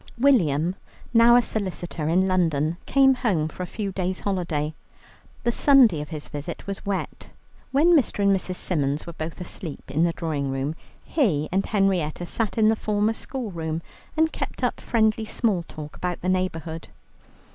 William, now a solicitor in London, came home for a few days' holiday. The Sunday of his visit was wet. When Mr. and Mrs. Symons were both asleep in the drawing room, he and Henrietta sat in the former school room, and kept up friendly small talk about the neighbourhood.